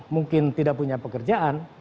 mungkin tidak punya pekerjaan